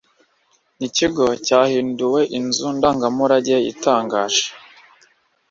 Ikigo cyahinduwe inzu ndangamurage itangaje.